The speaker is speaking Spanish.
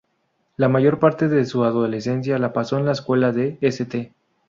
La mayor parte de su adolescencia la pasó en la escuela de St.